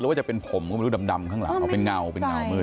ว่าจะเป็นผมก็ไม่รู้ดำข้างหลังเอาเป็นเงาเป็นเงามืด